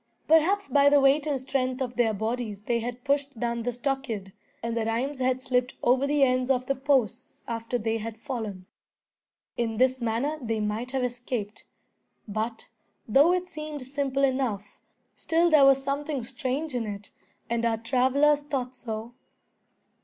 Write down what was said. Perhaps by the weight and strength of their bodies they had pushed down the stockade, and the rheims had slipped over the ends of the posts after they had fallen. In this manner they might have escaped. But, though it seemed simple enough, still there was something strange in it, and our travellers thought so.